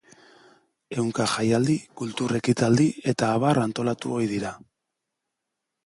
Ehunka jaialdi, kultur ekitaldi eta abar antolatu ohi dira.